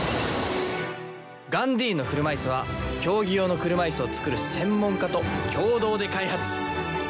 ガンディーンの車いすは競技用の車いすを作る専門家と共同で開発。